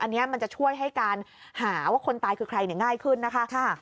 อันนี้มันจะช่วยให้การหาว่าคนตายคือใครง่ายขึ้นนะคะ